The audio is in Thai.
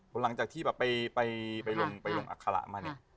หลังจากที่ไปลงอักษระมาเนี่ย